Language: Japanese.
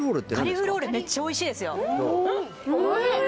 カリフローレめっちゃおいしいですよどう？